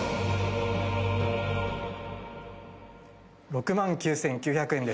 ６万９，９００円です。